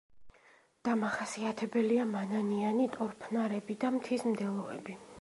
დამახასიათებელია მანანიანი, ტორფნარები და მთის მდელოები.